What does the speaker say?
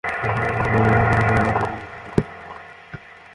নির্ধারিত সময়ের আগে পুলিশের অনুমতি পাওয়া যাবে বলে তিনি আশা প্রকাশ করেন।